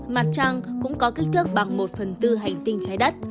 mặt trăng cũng có kích thước bằng một phần tư hành tinh trái đất